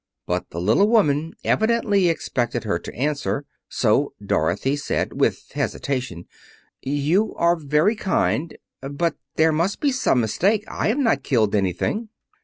But the little woman evidently expected her to answer; so Dorothy said, with hesitation, "You are very kind, but there must be some mistake. I have not killed anything."